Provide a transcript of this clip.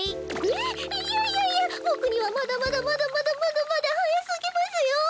えっいやいやいやぼくにはまだまだまだまだまだまだはやすぎますよ。